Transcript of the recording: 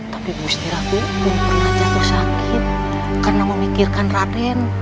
tapi bu siti ratu pun pernah jatuh sakit karena memikirkan raden